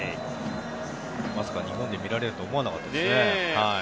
まさか日本で見られるとは思わなかったです。